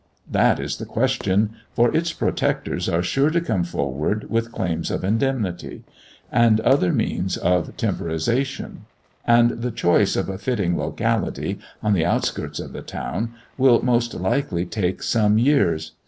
That is the question for its protectors are sure to come forward with claims of indemnity, and other means of temporisation; and the choice of a fitting locality, on the outskirts of the town, will most likely take some years.